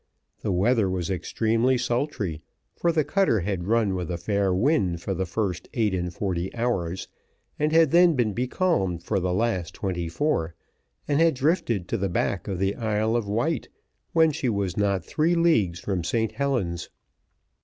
The weather was extremely sultry, for the cutter had run with a fair wind for the first eight and forty hours, and had then been becalmed for the last twenty four, and had drifted to the back of the Isle of Wight, when she was not three leagues from St Helen's.